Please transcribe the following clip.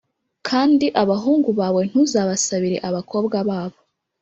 kandi abahungu bawe ntuzabasabire abakobwa babo.